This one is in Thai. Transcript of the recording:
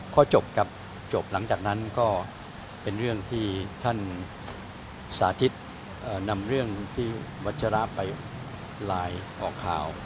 ก็จบครับจบหลังจากนั้นก็เป็นเรื่องที่ท่านสาธิตนำเรื่องที่วัชระไปไลน์ออกข่าว